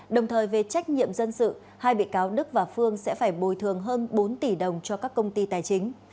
đồng thời về trách nhiệm dân sự hai bị cáo đức và phương sẽ phải bồi thường hơn bốn tỷ đồng cho các công ty tài chính